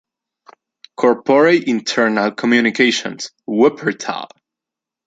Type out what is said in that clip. Corporate Internal Communications: Wuppertal